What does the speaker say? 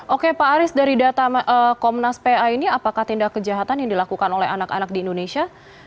oke pak aris dari data komnas pa ini apakah tindak kejahatan yang dilakukan oleh anak anak di indonesia